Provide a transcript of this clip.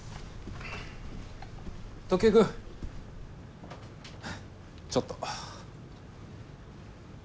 時江君ちょっと。